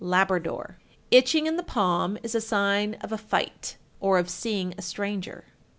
Labrador. 1363. Itching in the palm is a sign of a fight, or of seeing a stranger.